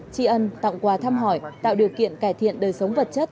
tri ân tặng quà thăm hỏi tạo điều kiện cải thiện đời sống vật chất